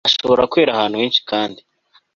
ashobora kwera ahantu henshi kandi